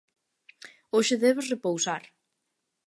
Hoxe debes repousar.